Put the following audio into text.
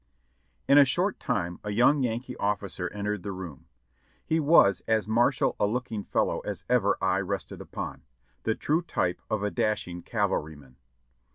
In a short time a young Yankee officer entered the room; he was as martial a looking fellow as ever eye rested upon ; the true type of a dashing cavalryman.